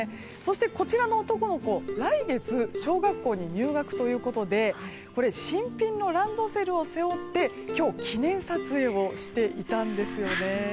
そして、こちらの男の子来月、小学校に入学ということで新品のランドセルを背負って今日、記念撮影をしていたんですよね。